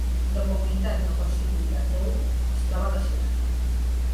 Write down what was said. La comunitat no constituïda d'Oulu es troba a la ciutat.